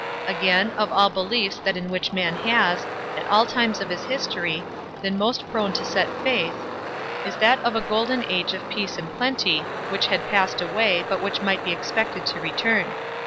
Again, of all beliefs, that in which man has, at all times of his history, been most prone to set faith, is that of a golden age of peace and plenty, which had passed away, but which might be expected to return.